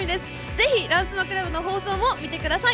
ぜひ「ランスマ倶楽部」の放送も見てください。